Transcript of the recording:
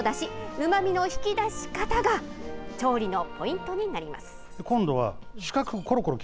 うまみの引き出し方が調理のポイントになります。